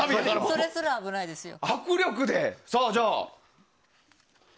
それすら危ないですよ。